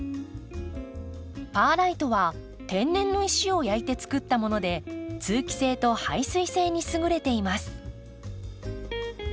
パーライトは天然の石を焼いて作ったもので通気性と排水性に優れています。